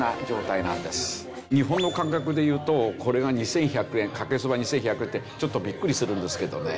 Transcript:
日本の感覚でいうとこれが２１００円かけそば２１００円ってちょっとビックリするんですけどね。